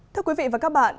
thưa quý vị và các bạn